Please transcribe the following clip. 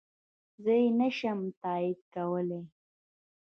زه يي نشم تاييد کولی